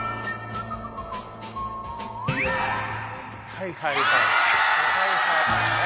はいはいはい。